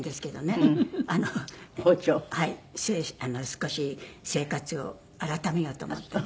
少し生活を改めようと思って。